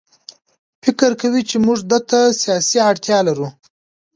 فکر کوي چې موږ ده ته سیاسي اړتیا لرو.